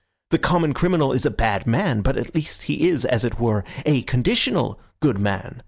The common criminal is a bad man, but at least he is, as it were, a conditional good man.